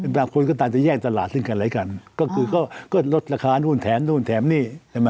บางคนก็ต่างจะแยกตลาดซึ่งกันและกันก็คือก็ลดราคานู่นแถมนู่นแถมนี่ใช่ไหม